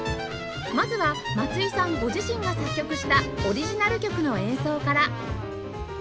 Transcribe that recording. まずは松井さんご自身が作曲したオリジナル曲の演奏から